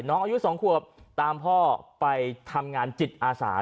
อายุ๒ขวบตามพ่อไปทำงานจิตอาสา